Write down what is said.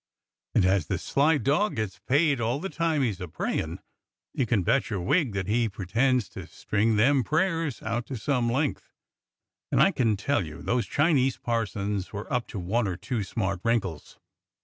And as the sly dog gets paid all the 178 THE SEXTON SPEAKS 179 time he's a prayin', you can bet your wig that he pre tends to string them prayers out to some length. And I can tell you those Chinese parsons were up to one or two smart wrinkles.